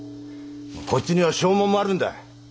こっちには証文もあるんだ！